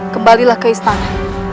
kembalilah ke istana